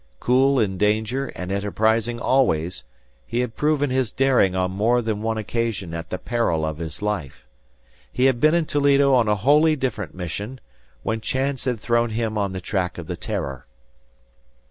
Cool in danger and enterprising always, he had proven his daring on more than one occasion at the peril of his life. He had been in Toledo on a wholly different mission, when chance had thrown him on the track of the "Terror."